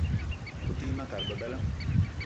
O te yi ma kat bebela.